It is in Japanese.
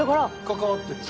関わってる。